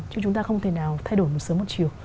chứ chúng ta không thể nào thay đổi một sớm một chiều